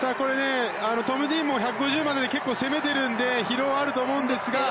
トム・ディーンも１５０まで結構攻めてるので疲労はあると思うんですが。